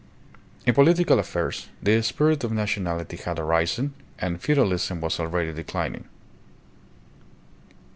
In political affairs the spirit of nationality had arisen, and feudalism was already declining.